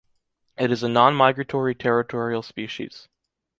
It is a non-migratory territorial species.